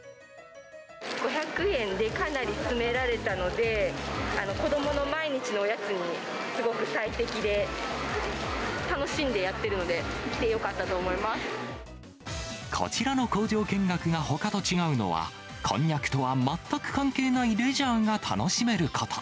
５００円でかなり詰められたので、子どもの毎日のおやつにすごく最適で、楽しんでやってるのこちらの工場見学がほかと違うのは、こんにゃくとは全く関係ないレジャーが楽しめること。